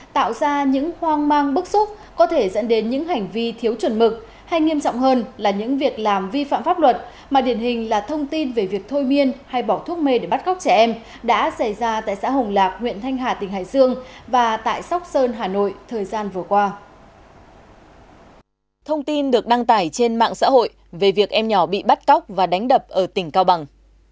thông tin được đăng tải trên mạng xã hội về việc em nhỏ bị bắt cóc và đánh đập ở tỉnh cao bằng